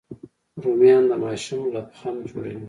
رومیان د ماشوم لبخند جوړوي